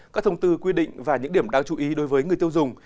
các thông tư quy định và những điểm đáng chú ý đối với người tiêu dùng